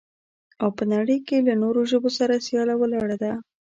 او په نړۍ کې له نورو ژبو سره سياله ولاړه ده.